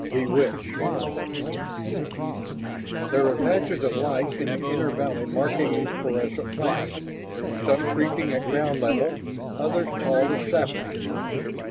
THE WITCH There were patches of light in the inner valley marking the phosphorescent plants, some creeping at ground level, others tall as saplings.